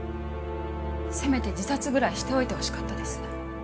せめて自殺ぐらいしておいてほしかったです。